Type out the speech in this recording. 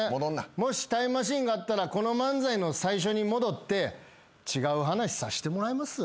もしタイムマシンがあったらこの漫才の最初に戻って違う話させてもらいますわ。